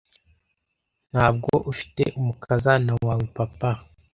ntabwo ufite umukazana wawe papa